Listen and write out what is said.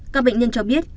các bệnh nhân cho biết